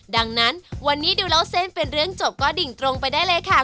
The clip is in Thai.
ดังนั้นวันนี้ดูเล่าเส้นเป็นเรื่องจบก็ดิ่งตรงไปได้เลยค่ะ